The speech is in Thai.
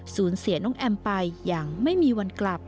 สูญเสียน้องแอมไปอย่างไม่มีวันกลับ